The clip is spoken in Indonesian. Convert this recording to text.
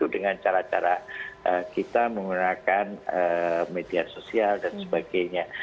dengan cara cara kita menggunakan media sosial dan sebagainya